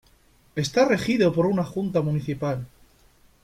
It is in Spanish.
Está regido por una Junta Municipal.